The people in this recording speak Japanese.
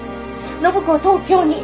暢子を東京に！